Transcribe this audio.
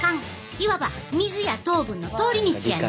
いわば水や糖分の通り道やねん。